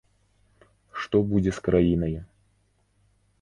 Што будзе з краінаю.